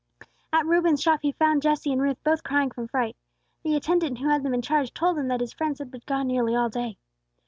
At Reuben's shop he found Jesse and Ruth both crying from fright. The attendant who had them in charge told him that his friends had been gone nearly all day.